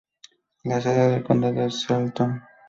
La sede del condado es Shelton.